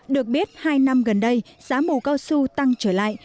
được biết hai năm gần đây giá mù cao su tăng trở lại